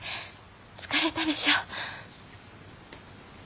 疲れたでしょう。